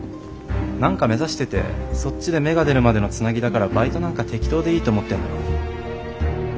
何か目指しててそっちで芽が出るまでのつなぎだからバイトなんか適当でいいと思ってるんだろ。